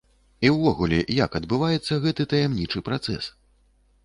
І ўвогуле, як адбываецца гэты таямнічы працэс?